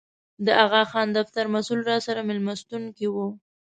د اغاخان دفتر مسوول راسره مېلمستون کې و.